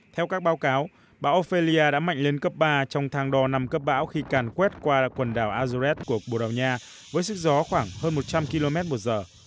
theo các báo cáo bão ophelia đã mạnh lên cấp ba trong thang đo năm cấp bão khi càn quét qua quần đảo azoret của bồ đào nha với sức gió khoảng hơn một trăm linh km một giờ